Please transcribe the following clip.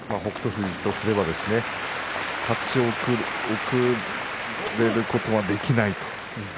富士とすれば立ち遅れることはできない。